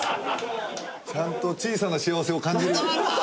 ちゃんと小さな幸せを感じられるように。